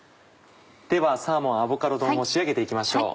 ではサーモンアボカド丼を仕上げて行きましょう。